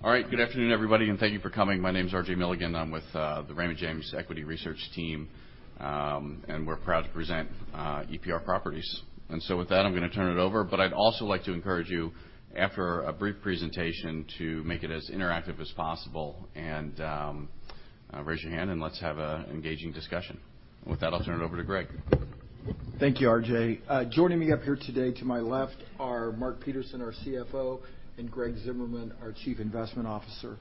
Excellent. All right, good afternoon, everybody, and thank you for coming. My name's RJ Milligan. I'm with the Raymond James Equity Research team, and we're proud to present EPR Properties. And so with that, I'm going to turn it over, but I'd also like to encourage you, after a brief presentation, to make it as interactive as possible and raise your hand, and let's have an engaging discussion. With that, I'll turn it over to Greg. Thank you, RJ. Joining me up here today to my left are Mark Peterson, our CFO, and Greg Zimmerman, our Chief Investment Officer.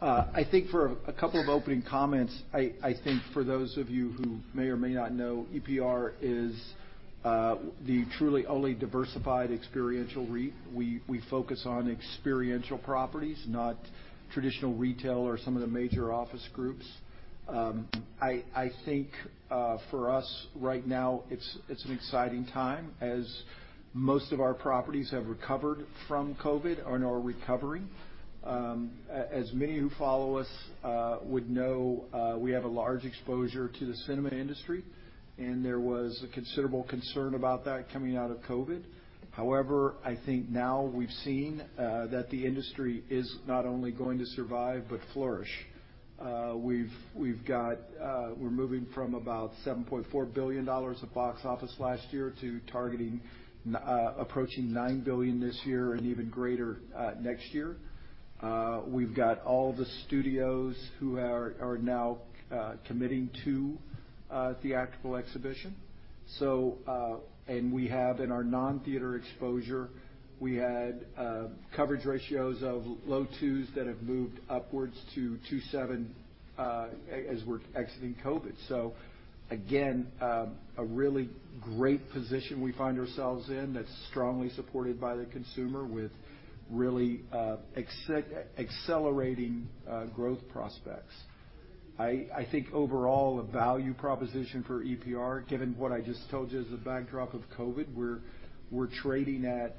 I think for a couple of opening comments, I think for those of you who may or may not know, EPR is the truly only diversified experiential REIT. We focus on experiential properties, not traditional retail or some of the major office groups. I think for us right now, it's an exciting time as most of our properties have recovered from COVID and are recovering. As many who follow us would know, we have a large exposure to the cinema industry, and there was a considerable concern about that coming out of COVID. However, I think now we've seen that the industry is not only going to survive but flourish. We've got. We're moving from about $7.4 billion of box office last year to targeting approaching $9 billion this year and even greater next year. We've got all the studios who are now committing to theatrical exhibition. And we have, in our non-theater exposure, we had coverage ratios of low twos that have moved upwards to 2.7 as we're exiting COVID. So again, a really great position we find ourselves in that's strongly supported by the consumer with really accelerating growth prospects. I think overall, a value proposition for EPR, given what I just told you as a backdrop of COVID, we're trading at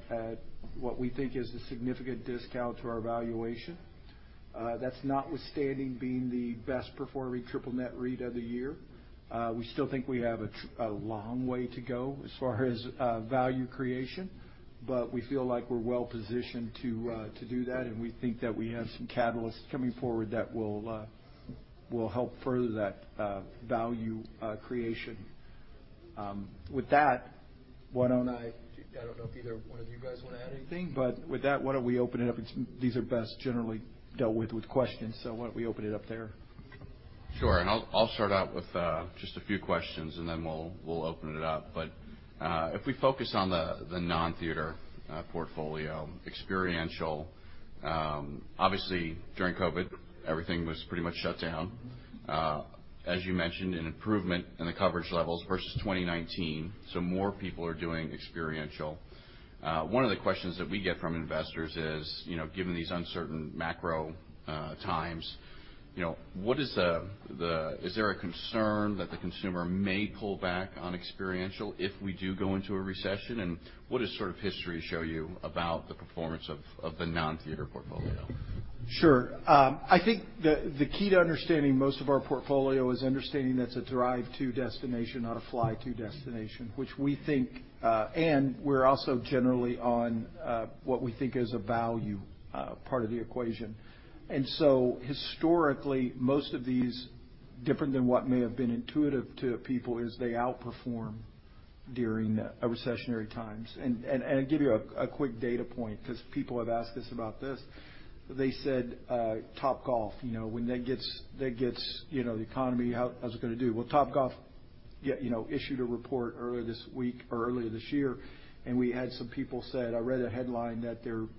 what we think is a significant discount to our valuation. That's notwithstanding being the best-performing triple-net REIT of the year. We still think we have a long way to go as far as value creation, but we feel like we're well-positioned to do that, and we think that we have some catalysts coming forward that will help further that value creation. With that, why don't I, I don't know if either one of you guys want to add anything, but with that, why don't we open it up? These are best generally dealt with questions, so why don't we open it up there? Sure. And I'll start out with just a few questions, and then we'll open it up. But if we focus on the non-theater portfolio, experiential, obviously during COVID, everything was pretty much shut down. As you mentioned, an improvement in the coverage levels versus 2019, so more people are doing experiential. One of the questions that we get from investors is, given these uncertain macro times, what is, is there a concern that the consumer may pull back on experiential if we do go into a recession? And what does sort of history show you about the performance of the non-theater portfolio? Sure. I think the key to understanding most of our portfolio is understanding that it's a drive-to destination, not a fly-to destination, which we think, and we're also generally on what we think is a value part of the equation. And so historically, most of these, different than what may have been intuitive to people, is they outperform during recessionary times. And I'll give you a quick data point because people have asked us about this. They said Topgolf, when that gets the economy, how's it going to do? Well, Topgolf issued a report earlier this week or earlier this year, and we had some people say, "I read a headline that their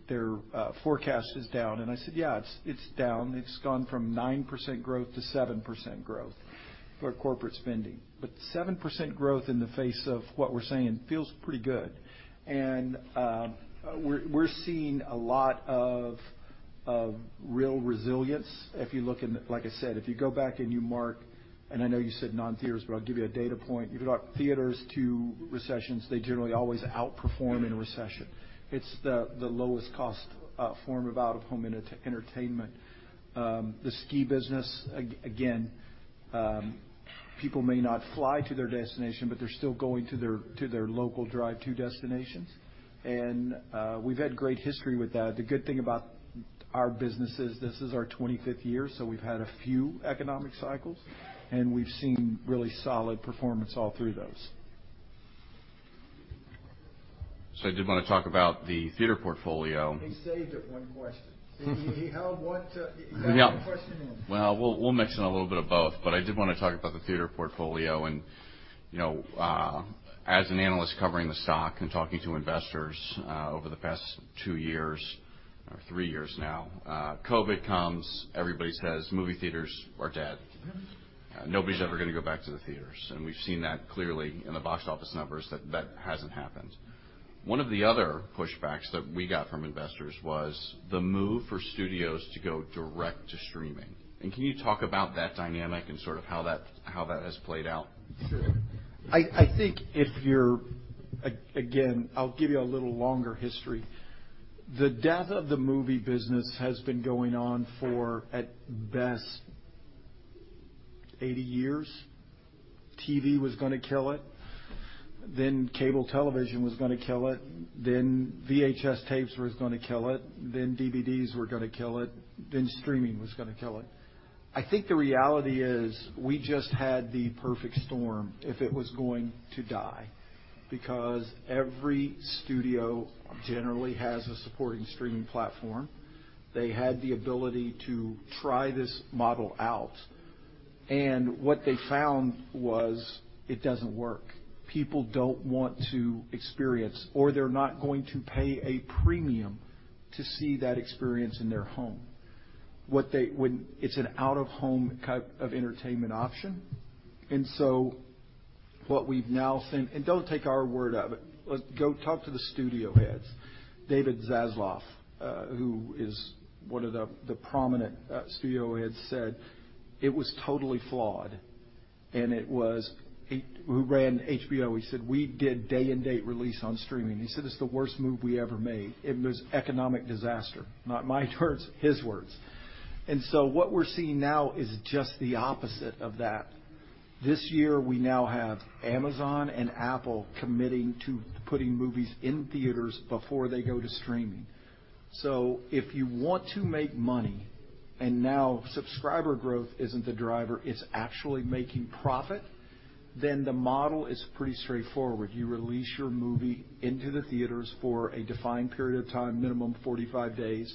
forecast is down." And I said, "Yeah, it's down. It's gone from 9% growth to 7% growth for corporate spending." But 7% growth in the face of what we're saying feels pretty good. We're seeing a lot of real resilience. If you look in, like I said, if you go back and you mark, and I know you said non-theaters, but I'll give you a data point. If you talk theaters to recessions, they generally always outperform in recession. It's the lowest-cost form of out-of-home entertainment. The ski business, again, people may not fly to their destination, but they're still going to their local drive-to destinations. And we've had great history with that. The good thing about our business is this is our 25th year, so we've had a few economic cycles, and we've seen really solid performance all through those. I did want to talk about the theater portfolio. He saved it one question. He held one question in. We'll mix in a little bit of both, but I did want to talk about the theater portfolio. As an analyst covering the stock and talking to investors over the past two years or three years now, COVID comes, everybody says movie theaters are dead. Nobody's ever going to go back to the theaters. We've seen that clearly in the box office numbers that that hasn't happened. One of the other pushbacks that we got from investors was the move for studios to go direct to streaming. Can you talk about that dynamic and sort of how that has played out? Sure. I think if you're, again, I'll give you a little longer history. The death of the movie business has been going on for at best 80 years. TV was going to kill it, then cable television was going to kill it, then VHS tapes were going to kill it, then DVDs were going to kill it, then streaming was going to kill it. I think the reality is we just had the perfect storm if it was going to die because every studio generally has a supporting streaming platform. They had the ability to try this model out. And what they found was it doesn't work. People don't want to experience, or they're not going to pay a premium to see that experience in their home. It's an out-of-home type of entertainment option, and so what we've now seen, and don't take our word of it. Go talk to the studio heads. David Zaslav, who is one of the prominent studio heads, said it was totally flawed, and it was, who ran HBO, he said, "We did day-and-date release on streaming." He said, "It's the worst move we ever made. It was economic disaster." Not my words, his words, and so what we're seeing now is just the opposite of that. This year, we now have Amazon and Apple committing to putting movies in theaters before they go to streaming. So if you want to make money, and now subscriber growth isn't the driver, it's actually making profit, then the model is pretty straightforward. You release your movie into the theaters for a defined period of time, minimum 45 days,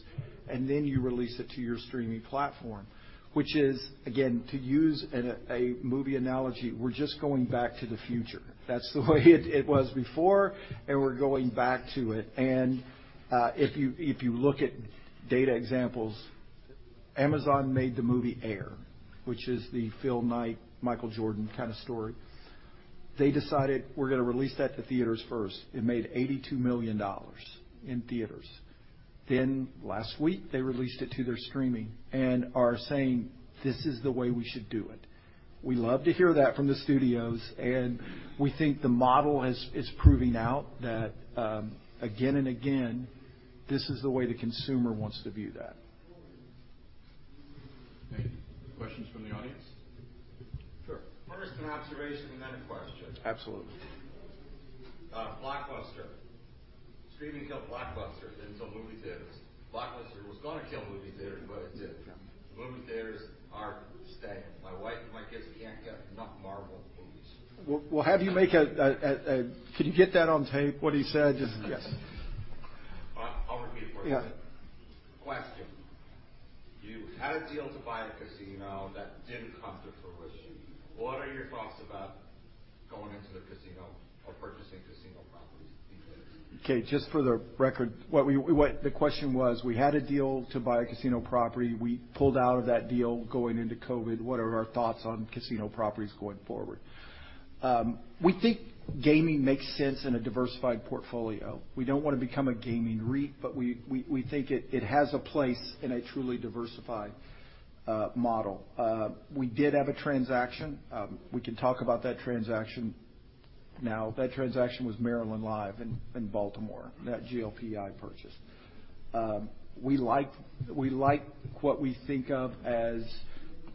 and then you release it to your streaming platform, which is, again, to use a movie analogy, we're just going back to the future. That's the way it was before, and we're going back to it. And if you look at day-and-date examples, Amazon made the movie Air, which is the Phil Knight, Michael Jordan kind of story. They decided, "We're going to release that to theaters first." It made $82 million in theaters. Then last week, they released it to their streaming and are saying, "This is the way we should do it." We love to hear that from the studios, and we think the model is proving out that again and again, this is the way the consumer wants to view that. Questions from the audience? Sure. First, an observation and then a question. Absolutely. Blockbuster. Streaming killed Blockbuster into movie theaters. Blockbuster was going to kill movie theaters, but it didn't. Movie theaters are staying. My wife and my kids can't get enough Marvel movies. We'll have you make a, can you get that on tape? What he said? Yes. I'll repeat it for you. Question. You had a deal to buy a casino that didn't come to fruition. What are your thoughts about going into the casino or purchasing casino properties these days? Okay. Just for the record, the question was, we had a deal to buy a casino property. We pulled out of that deal going into COVID. What are our thoughts on casino properties going forward? We think gaming makes sense in a diversified portfolio. We don't want to become a gaming REIT, but we think it has a place in a truly diversified model. We did have a transaction. We can talk about that transaction now. That transaction was Maryland Live in Baltimore, that GLPI purchase. We like what we think of as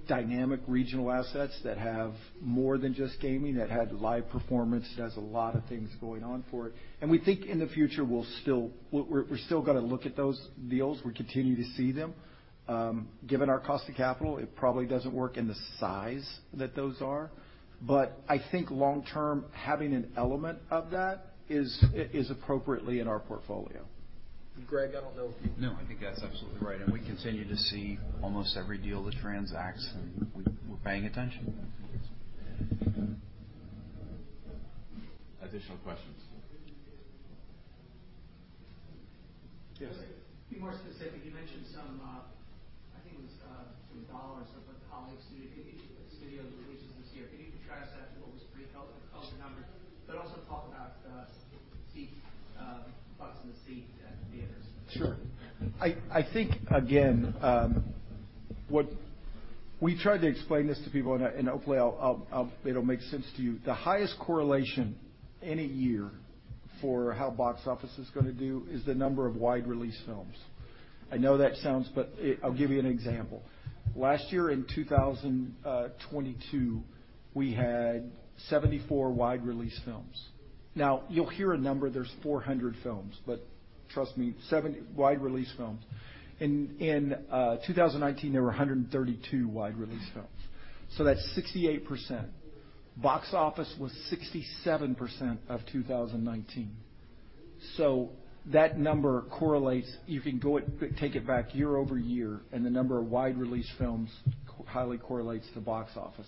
dynamic regional assets that have more than just gaming, that had live performance. There's a lot of things going on for it, and we think in the future, we're still going to look at those deals. We continue to see them. Given our cost of capital, it probably doesn't work in the size that those are. But I think long-term, having an element of that is appropriately in our portfolio. Greg, I don't know if you... No, I think that's absolutely right. And we continue to see almost every deal that transacts, and we're paying attention. Additional questions? Just to be more specific, you mentioned some, I think it was some dollars that the [colleague] studio released this year. Can you contrast that to what was pre-COVID number? But also talk about seat bucks in the seat at theaters. Sure. I think, again, we tried to explain this to people, and hopefully, it'll make sense to you. The highest correlation any year for how box office is going to do is the number of wide-release films. I know that sounds, but I'll give you an example. Last year in 2022, we had 74 wide-release films. Now, you'll hear a number. There's 400 films, but trust me, wide-release films. In 2019, there were 132 wide-release films. So that's 68%. Box office was 67% of 2019. So that number correlates. You can take it back year over year, and the number of wide-release films highly correlates to box office.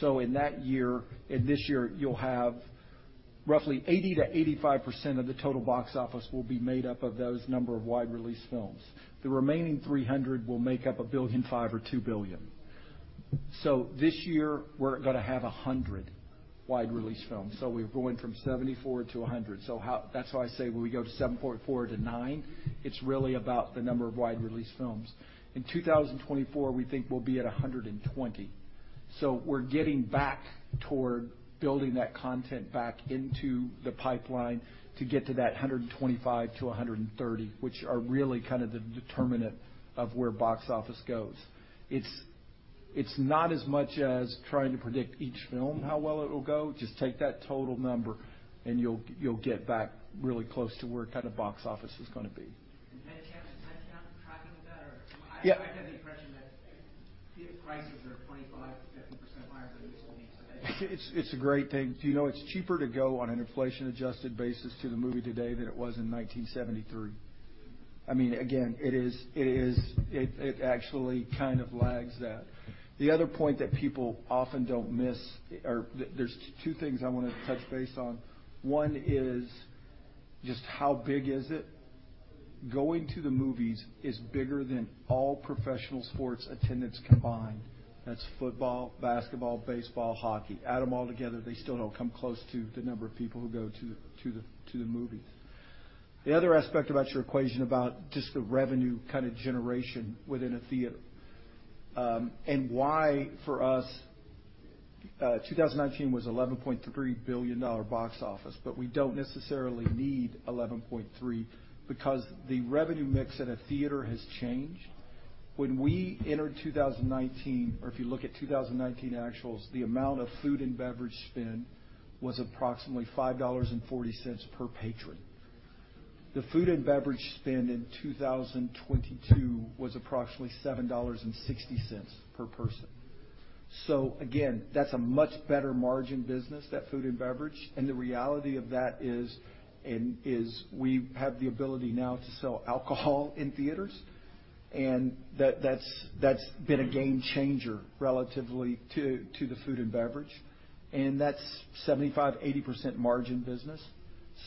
So in that year and this year, you'll have roughly 80%-85% of the total box office will be made up of those number of wide-release films. The remaining 300 will make up $1.5 billion or $2 billion. So this year, we're going to have 100 wide-release films. So we're going from 74 to 100. So that's why I say when we go to $7.4 to $9, it's really about the number of wide-release films. In 2024, we think we'll be at 120. So we're getting back toward building that content back into the pipeline to get to that 125 to 130, which are really kind of the determinant of where box office goes. It's not as much as trying to predict each film how well it will go. Just take that total number, and you'll get back really close to where kind of box office is going to be. And headcount, tracking the better. I had the impression that prices are 25%-50% higher than they used to be. It's a great thing. It's cheaper to go on an inflation-adjusted basis to the movie today than it was in 1973. I mean, again, it is. It actually kind of lags that. The other point that people often don't miss, or there's two things I want to touch base on. One is just how big is it? Going to the movies is bigger than all professional sports attendance combined. That's football, basketball, baseball, hockey. Add them all together, they still don't come close to the number of people who go to the movies. The other aspect about your equation about just the revenue kind of generation within a theater and why for us, 2019 was $11.3 billion box office, but we don't necessarily need 11.3 because the revenue mix at a theater has changed. When we entered 2019, or if you look at 2019 actuals, the amount of food and beverage spend was approximately $5.40 per patron. The food and beverage spend in 2022 was approximately $7.60 per person. So again, that's a much better margin business, that food and beverage. And the reality of that is we have the ability now to sell alcohol in theaters. And that's been a game changer relatively to the food and beverage. And that's 75%-80% margin business.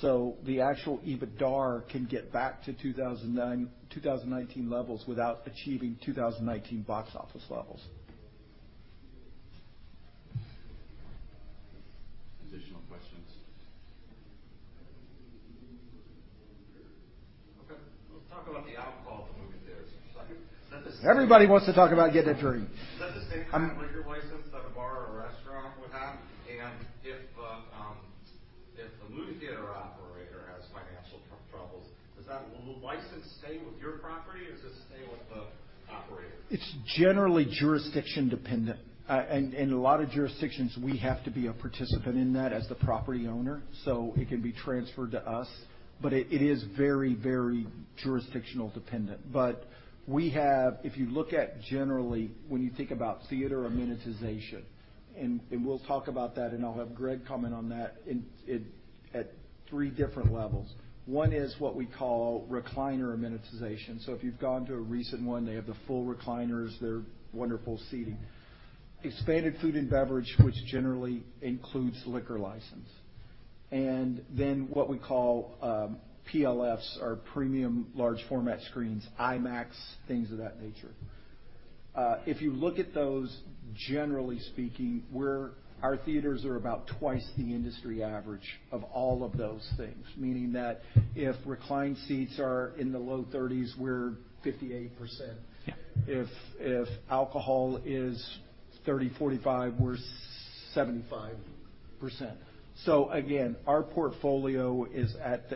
So the actual EBITDAR can get back to 2019 levels without achieving 2019 box office levels. Additional questions? Okay. Let's talk about the alcohol at the movie theaters for a second. Everybody wants to talk about getting a drink. Does it do the same thing as a license that a bar or a restaurant would have? And if the movie theater operator has financial troubles, does that license stay with your property or does it stay with the operator? It's generally jurisdiction dependent. In a lot of jurisdictions, we have to be a participant in that as the property owner. So it can be transferred to us. But it is very, very jurisdictional dependent. But if you look at generally, when you think about theater amenitization, and we'll talk about that, and I'll have Greg comment on that at three different levels. One is what we call recliner amenitization. So if you've gone to a recent one, they have the full recliners. They're wonderful seating. Expanded food and beverage, which generally includes liquor license. And then what we call PLFS or Premium Large Format Screens, IMAX, things of that nature. If you look at those, generally speaking, our theaters are about twice the industry average of all of those things. Meaning that if reclined seats are in the low 30s, we're 58%. If alcohol is 30-45, we're 75%. So again, our portfolio is at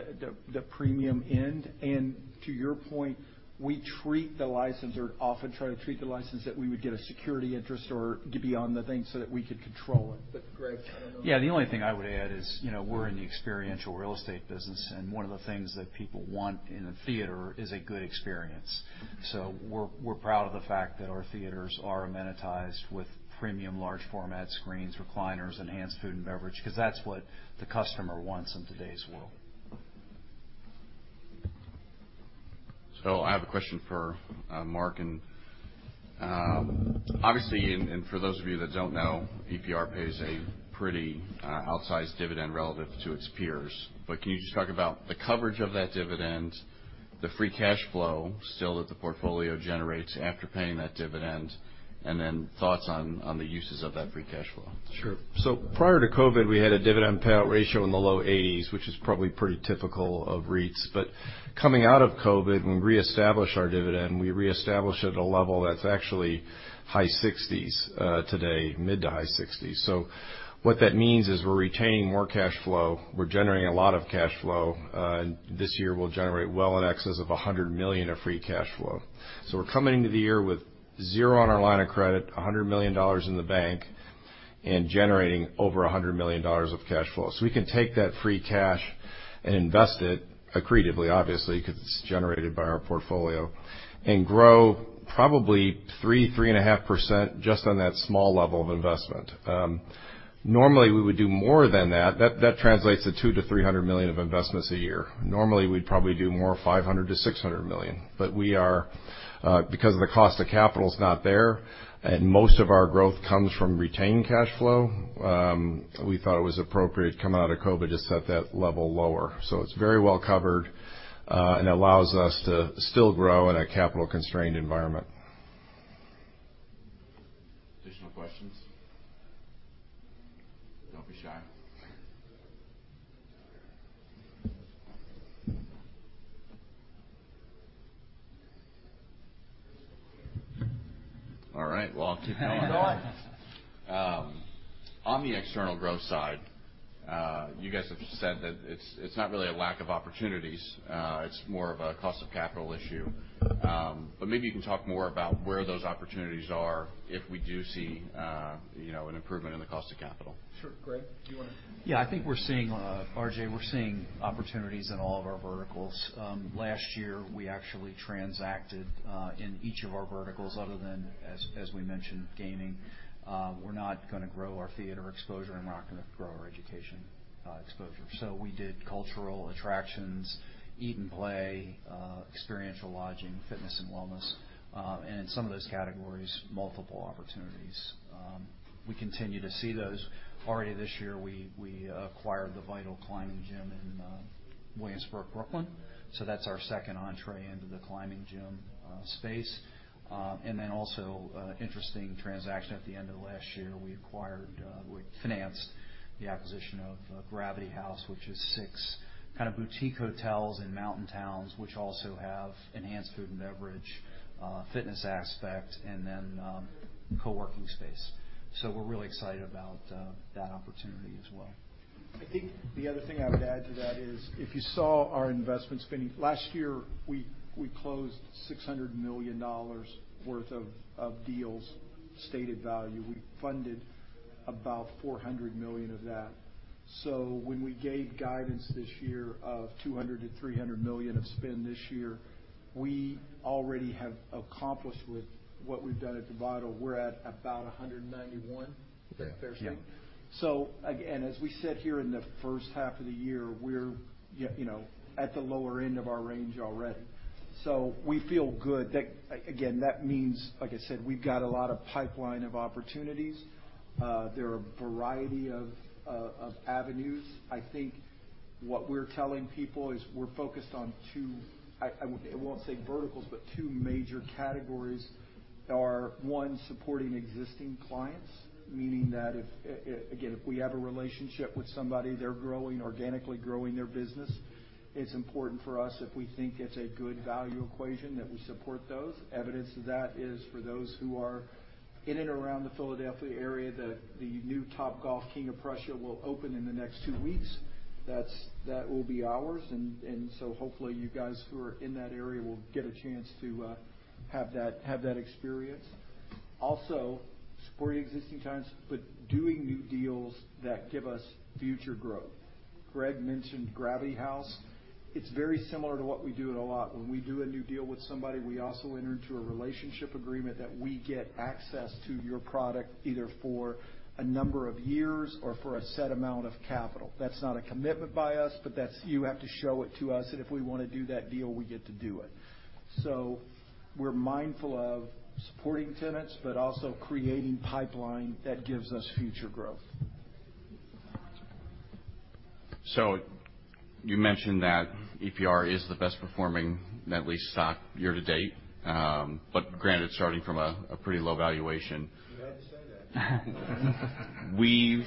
the premium end. And to your point, we treat the license or often try to treat the license that we would get a security interest or be on the thing so that we could control it. But Greg, I don't know. Yeah. The only thing I would add is we're in the experiential real estate business, and one of the things that people want in a theater is a good experience. So we're proud of the fact that our theaters are amenitized with premium large format screens, recliners, enhanced food and beverage, because that's what the customer wants in today's world. So I have a question for Mark. And obviously, for those of you that don't know, EPR pays a pretty outsized dividend relative to its peers. But can you just talk about the coverage of that dividend, the free cash flow still that the portfolio generates after paying that dividend, and then thoughts on the uses of that free cash flow? Sure. So prior to COVID, we had a dividend payout ratio in the low 80s, which is probably pretty typical of REITs. But coming out of COVID, when we reestablish our dividend, we reestablish at a level that's actually high 60s today, mid to high 60s. So what that means is we're retaining more cash flow. We're generating a lot of cash flow. And this year, we'll generate well in excess of $100 million of free cash flow. So we're coming into the year with zero on our line of credit, $100 million in the bank, and generating over $100 million of cash flow. So we can take that free cash and invest it accretively, obviously, because it's generated by our portfolio, and grow probably 3%-3.5% just on that small level of investment. Normally, we would do more than that. That translates to $200 million-$300 million of investments a year. Normally, we'd probably do more $500 million-$600 million. But because of the cost of capital is not there, and most of our growth comes from retained cash flow, we thought it was appropriate coming out of COVID to set that level lower. So it's very well covered, and it allows us to still grow in a capital-constrained environment. Additional questions? Don't be shy. All right. Well, I'll kick it off. On the external growth side, you guys have said that it's not really a lack of opportunities. It's more of a cost of capital issue. But maybe you can talk more about where those opportunities are if we do see an improvement in the cost of capital. Sure. Greg, do you want to? Yeah. I think we're seeing, RJ, we're seeing opportunities in all of our verticals. Last year, we actually transacted in each of our verticals other than, as we mentioned, gaming. We're not going to grow our theater exposure, and we're not going to grow our education exposure. We did cultural attractions, eat and play, experiential lodging, fitness and wellness. And in some of those categories, multiple opportunities. We continue to see those. Already this year, we acquired the VITAL Climbing Gym in Williamsburg, Brooklyn. That's our second entrée into the climbing gym space. And then also interesting transaction at the end of last year, we financed the acquisition of Gravity Haus, which is six kind of boutique hotels in mountain towns, which also have enhanced food and beverage, fitness aspect, and then co-working space. We're really excited about that opportunity as well. I think the other thing I would add to that is if you saw our investment spending last year, we closed $600 million worth of deals, stated value. We funded about $400 million of that. So when we gave guidance this year of $200 million-$300 million of spend this year, we already have accomplished with what we've done at the Vital. We're at about $191 million, if that's fair to you. So again, as we said here in the first half of the year, we're at the lower end of our range already. So we feel good. Again, that means, like I said, we've got a lot of pipeline of opportunities. There are a variety of avenues. I think what we're telling people is we're focused on two. I won't say verticals, but two major categories. One is supporting existing clients, meaning that again, if we have a relationship with somebody, they're organically growing their business. It's important for us if we think it's a good value equation that we support those. Evidence of that is for those who are in and around the Philadelphia area, the new Topgolf King of Prussia will open in the next two weeks. That will be ours. And so hopefully, you guys who are in that area will get a chance to have that experience. Also, supporting existing clients, but doing new deals that give us future growth. Greg mentioned Gravity Haus. It's very similar to what we do a lot. When we do a new deal with somebody, we also enter into a relationship agreement that we get access to your product either for a number of years or for a set amount of capital. That's not a commitment by us, but you have to show it to us, and if we want to do that deal, we get to do it, so we're mindful of supporting tenants, but also creating pipeline that gives us future growth. So you mentioned that EPR is the best performing net lease stock year to date, but granted, starting from a pretty low valuation. We've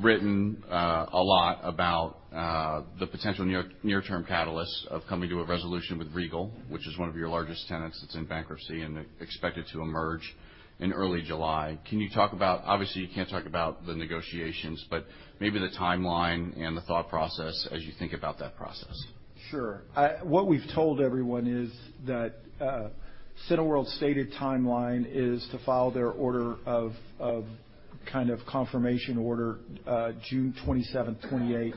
written a lot about the potential near-term catalysts of coming to a resolution with Regal, which is one of your largest tenants that's in bankruptcy and expected to emerge in early July. Can you talk about, obviously, you can't talk about the negotiations, but maybe the timeline and the thought process as you think about that process? Sure. What we've told everyone is that Cineworld's stated timeline is to file their order of kind of confirmation order June 27th, 28th,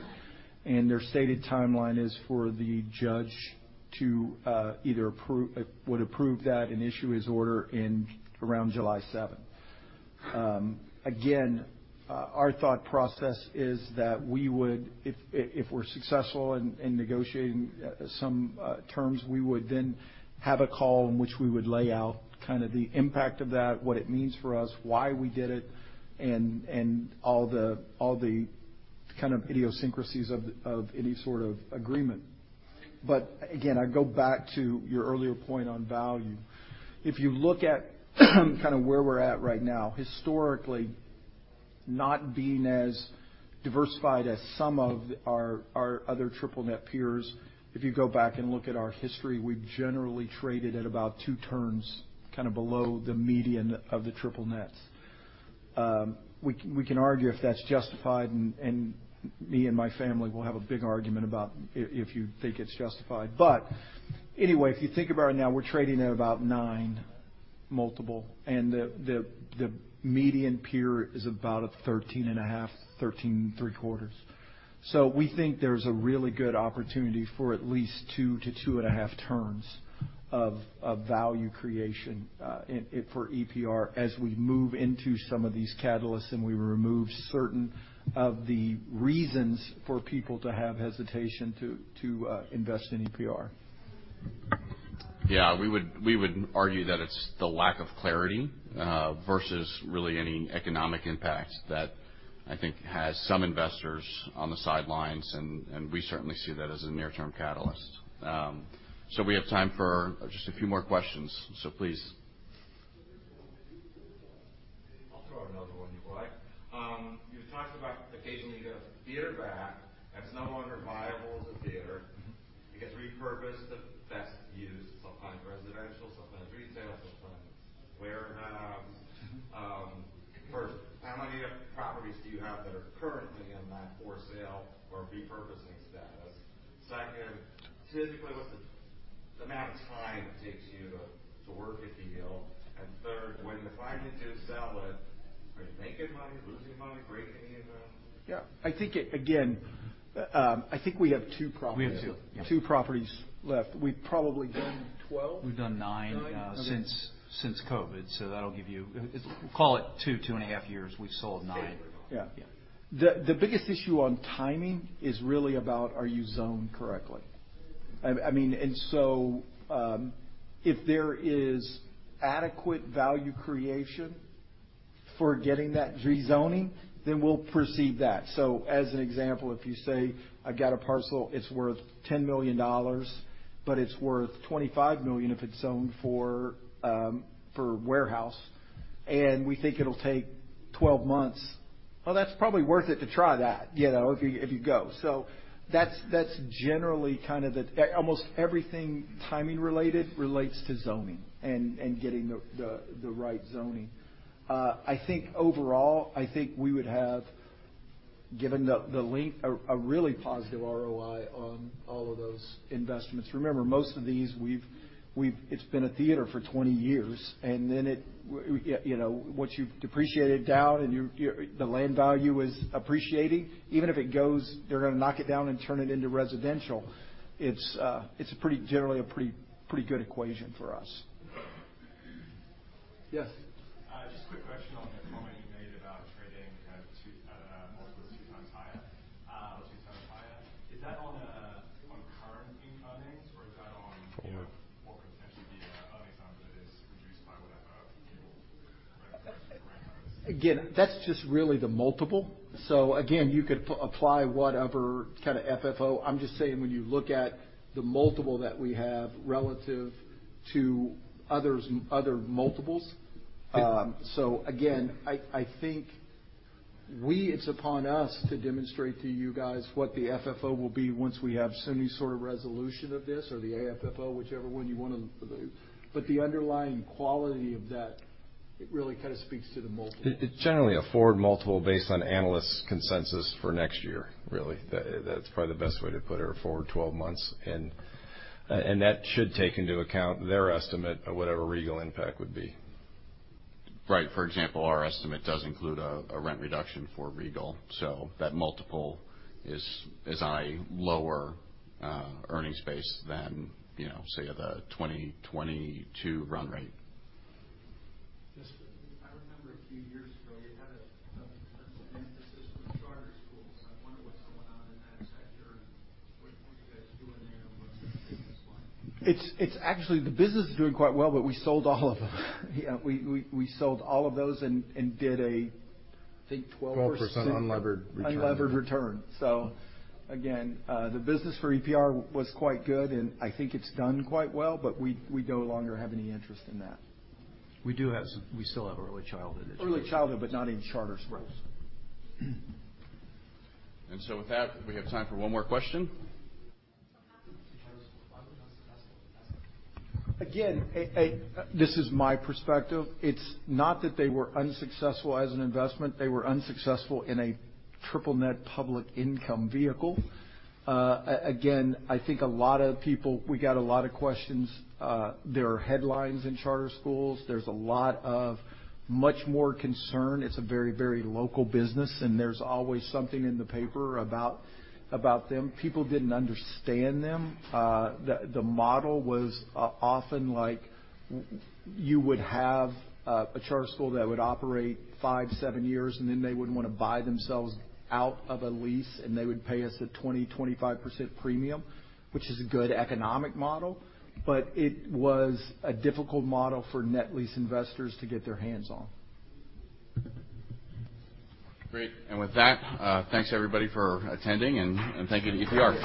and their stated timeline is for the judge to either would approve that and issue his order around July 7th. Again, our thought process is that if we're successful in negotiating some terms, we would then have a call in which we would lay out kind of the impact of that, what it means for us, why we did it, and all the kind of idiosyncrasies of any sort of agreement, but again, I go back to your earlier point on value. If you look at kind of where we're at right now, historically, not being as diversified as some of our other triple-net peers, if you go back and look at our history, we generally traded at about two turns kind of below the median of the triple nets. We can argue if that's justified, and me and my family will have a big argument about if you think it's justified. But anyway, if you think about it now, we're trading at about nine multiple, and the median peer is about a 13.5, 13 and three quarters. So we think there's a really good opportunity for at least two to two and a half turns of value creation for EPR as we move into some of these catalysts and we remove certain of the reasons for people to have hesitation to invest in EPR. Yeah. We would argue that it's the lack of clarity versus really any economic impact that I think has some investors on the sidelines, and we certainly see that as a near-term catalyst. So we have time for just a few more questions. So please. I'll throw another one, you're right. You've talked about occasionally the theater backlog. That's no longer viable as a theater. It gets repurposed to best use, sometimes residential, sometimes retail, sometimes warehouse. First, how many properties do you have that are currently in that for sale or repurposing status? Second, typically, what's the amount of time it takes you to work a deal? And third, when you finally do sell it, are you making money, losing money, breaking even? Yeah. I think, again, I think we have two properties. We have two. Two properties left. We've probably done 12. We've done nine since COVID. So that'll give you, we'll call it two, two and a half years. We've sold nine. Yeah. The biggest issue on timing is really about are you zoned correctly? I mean, and so if there is adequate value creation for getting that rezoning, then we'll proceed that. So as an example, if you say, "I've got a parcel. It's worth $10 million, but it's worth $25 million if it's zoned for warehouse." And we think it'll take 12 months. Well, that's probably worth it to try that if you go. So that's generally kind of the almost everything timing related relates to zoning and getting the right zoning. I think overall, I think we would have, given the length, a really positive ROI on all of those investments. Remember, most of these, it's been a theater for 20 years. And then what you've depreciated down and the land value is appreciating, even if it goes, they're going to knock it down and turn it into residential. It's generally a pretty good equation for us. Yes. Just a quick question on the comment you made about trading kind of multiple two times higher or two times higher. Is that on current incomings, or is that on what could potentially be an earnings number that is reduced by whatever? Again, that's just really the multiple. So again, you could apply whatever kind of FFO. I'm just saying when you look at the multiple that we have relative to other multiples. So again, I think it's upon us to demonstrate to you guys what the FFO will be once we have some sort of resolution of this or the AFFO, whichever one you want to do. But the underlying quality of that, it really kind of speaks to the multiple. It's generally a forward multiple based on analysts' consensus for next year, really. That's probably the best way to put it or forward 12 months, and that should take into account their estimate of whatever Regal impact would be. Right. For example, our estimate does include a rent reduction for Regal. So that multiple is a lower earnings base than, say, the 2022 run rate. Yes, sir. I remember a few years ago, you had an emphasis on charter schools. I wonder what's going on in that sector and what you guys are doing there and what the business is like. It's actually the business is doing quite well, but we sold all of them. We sold all of those and did a, I think, 12%. 12% unlevered return. Unlevered return. Again, the business for EPR was quite good, and I think it's done quite well, but we no longer have any interest in that. We do have some. We still have early childhood. Early childhood, but not in charter schools. With that, we have time for one more question. Again, this is my perspective. It's not that they were unsuccessful as an investment. They were unsuccessful in a triple-net public income vehicle. Again, I think a lot of people, we got a lot of questions. There are headlines in charter schools. There's a lot of much more concern. It's a very, very local business, and there's always something in the paper about them. People didn't understand them. The model was often like you would have a charter school that would operate five-seven years, and then they would want to buy themselves out of a lease, and they would pay us a 20%-25% premium, which is a good economic model. But it was a difficult model for net lease investors to get their hands on. Great. And with that, thanks everybody for attending, and thank you to EPR.